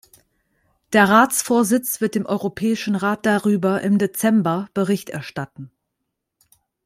Der Ratsvorsitz wird dem Europäischen Rat darüber im Dezember Bericht erstatten.